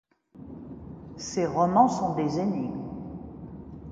Ses romans sont des énigmes.